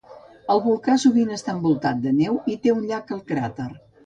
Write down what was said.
El volcà sovint està envoltat de neu i té un llac al cràter.